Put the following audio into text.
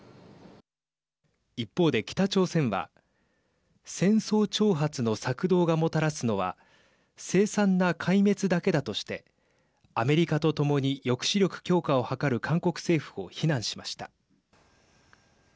一方で、北朝鮮は戦争挑発の策動がもたらすのは凄惨な壊滅だけだとしてアメリカとともに抑止力強化を図る韓国政府を非難しました。